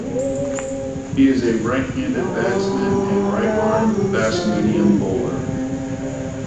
He is a right-handed batsman and right-arm fast-medium bowler.